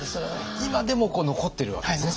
今でも残ってるわけですね